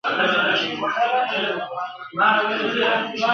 چي هر څو به ښکاري زرک وکړې ککړي !.